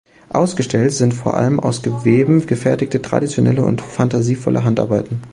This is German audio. Ausgestellt sind vor allem aus Geweben gefertigte traditionelle und phantasievolle Handarbeiten.